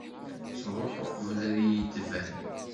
Truḥ uqbel ad yi-d-tban.